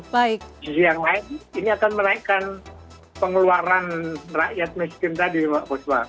di sisi yang lain ini akan menaikkan pengeluaran rakyat miskin tadi mbak buswa